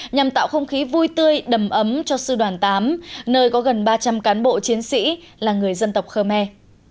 nhằm tạo không khí vui tươi đầm ấm cho sư đoàn tám nơi có gần ba trăm linh cán bộ chiến sĩ là người dân tộc khơ me